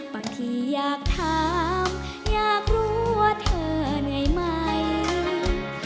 บางทีอยากถามอยากรู้ว่าเธอไงมั้ง